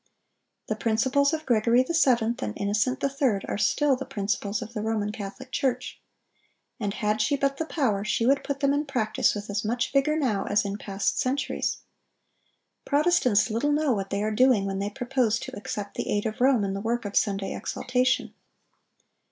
The principles of Gregory VII. and Innocent III. are still the principles of the Roman Catholic Church. And had she but the power, she would put them in practice with as much vigor now as in past centuries. Protestants little know what they are doing when they propose to accept the aid of Rome in the work of Sunday exaltation.